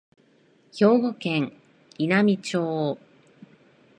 兵庫県稲美町